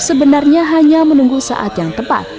sebenarnya hanya menunggu saat yang tepat